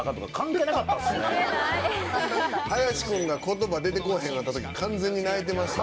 林君が言葉出てこうへんかった時完全に泣いてましたね。